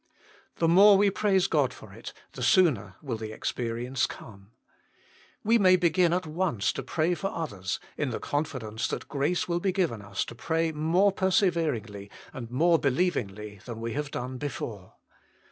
The more we praise God for it, the sooner will the experience come. We may begin at once to pray for others, in the confidence that grace will be given us to pray more 114 THE MINISTRY OF INTERCESSION perse veringly and inore believingly than we have done before.